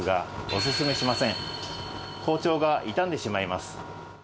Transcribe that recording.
包丁が傷んでしまいます。